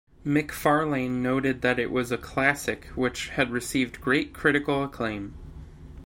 McFarlane noted that it was a "classic" which had received "great critical acclaim".